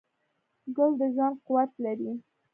ګل د ژوند قوت لري.